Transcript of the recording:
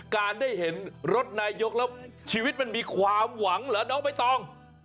การได้เห็นรถนายกแล้วชีวิตมันมีความหวังเหรอน้องใบตอง